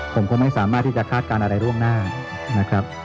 ผมก็ไม่สามารถที่จะคาดการณ์อะไรล่วงหน้านะครับ